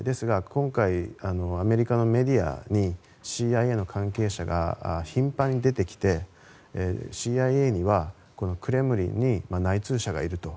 今回アメリカのメディアにＣＩＡの関係者が頻繁に出てきてＣＩＡにはクレムリンに内通者がいると。